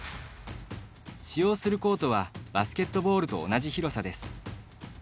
使用するコートはバスケットボールと同じ広さです。